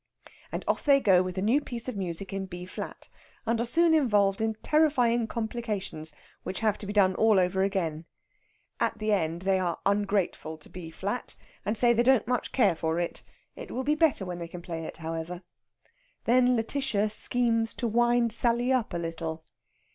And off they go with the new piece of music in B flat, and are soon involved in terrifying complications which have to be done all over again. At the end, they are ungrateful to B flat, and say they don't care much for it; it will be better when they can play it, however. Then Lætitia schemes to wind Sally up a little.